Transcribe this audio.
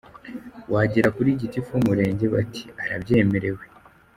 Wagera kuri gitifu w’umurenge bati ‘arabyemerewe’.